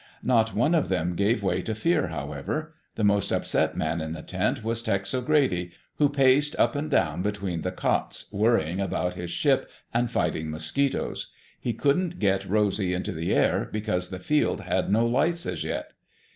Not one of them gave way to fear, however. The most upset man in the tent was Tex O'Grady, who paced up and down between the cots, worrying about his ship and fighting mosquitoes. He couldn't get Rosy into the air, because the field had no lights as yet.